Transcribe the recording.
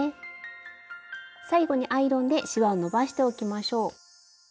最後にアイロンでしわをのばしておきましょう。